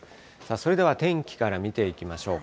それでは天気から見ていきましょう。